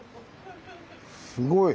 すごい。